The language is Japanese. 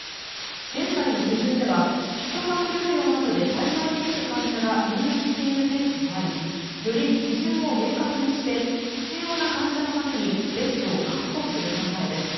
現在の基準では宿泊療養などで対応できる患者が入院しているケースもありより基準を明確にして必要な患者のためにベッドを確保する考えです。